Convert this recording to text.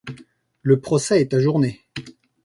Le procès est ajourné.